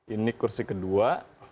ini kursi kedua